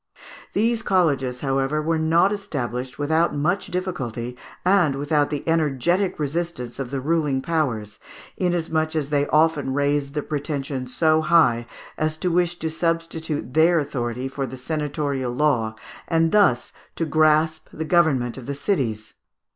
These colleges, however, were not established without much difficulty and without the energetic resistance of the ruling powers, inasmuch as they often raised their pretensions so high as to wish to substitute their authority for the senatorial law, and thus to grasp the government of the cities.